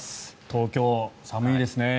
東京寒いですね。